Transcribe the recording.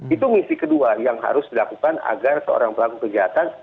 itu misi kedua yang harus dilakukan agar seorang pelaku kejahatan